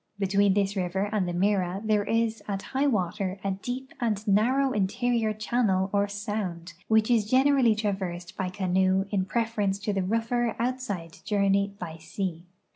Be tween this river and the Mira there is at high water a deep and narrow interior channel or sound, which is generally traversed by canoe in preference to the rougher outside journey by sea.